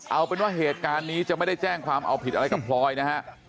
เอาเป็นว่าเหตุการณ์นี้จะไม่ได้แจ้งความเอาผิดอะไรกับพลอยนะฮะ